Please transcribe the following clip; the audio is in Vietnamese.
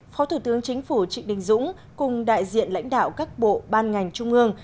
phó thủ tướng chính phủ trịnh đình dũng cùng đại diện lãnh đạo các bộ ban ngành trung ương